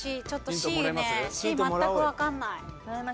ちょっとＣねまったく分かんない。